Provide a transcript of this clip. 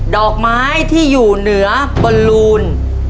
ดอกไม้ที่อยู่เหนือบนลูน